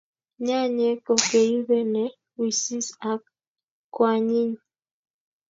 Nyanyek ko keipet ne wisis ak koanyiny